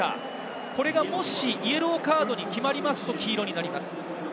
これがもしイエローカードに決まると黄色になります。